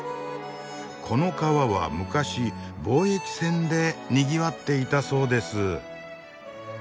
この川は昔貿易船でにぎわっていたそうです。